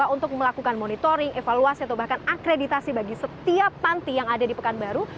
untuk melakukan monitoring evaluasi atau bahkan akreditasi bagi setiap panti yang ada di pekanbaru